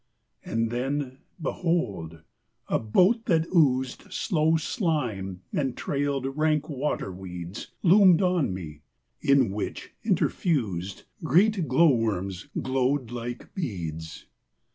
And then, behold! a boat that oozed Slow slime and trailed rank water weeds Loomed on me: in which, interfused, Great glow worms glowed like beads.